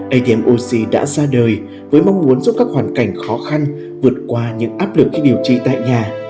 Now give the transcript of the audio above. amoc đã ra đời với mong muốn giúp các hoàn cảnh khó khăn vượt qua những áp lực khi điều trị tại nhà